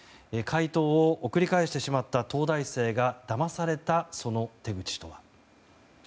解答を送り返してしまった東大生がだまされたその手口とは。